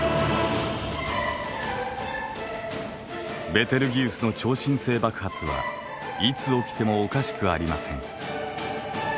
ベテルギウスの超新星爆発はいつ起きてもおかしくありません。